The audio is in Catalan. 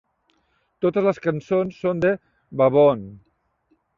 Totes les cançons són de Baboon.